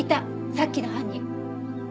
さっきの犯人。